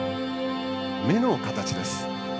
芽の形です。